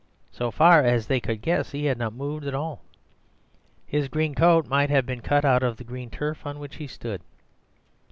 So far as they could guess he had not moved at all. His green coat might have been cut out of the green turf on which he stood.